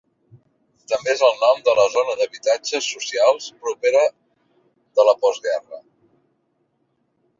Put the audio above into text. També és el nom de la zona d'habitatges socials propera de la post-guerra.